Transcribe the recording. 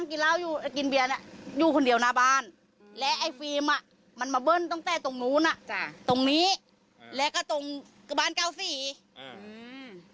กลับบานเนี้ยตรงนี้แล้วก็ตรงบ้านเก้าสี่อืม